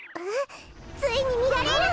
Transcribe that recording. ついにみられる！